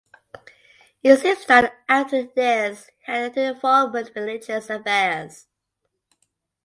It seems that after this he had little involvement with religious affairs.